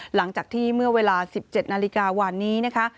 หลังจากที่เมื่อเวลา๑๗นาฬิกาวันนี้นะคะ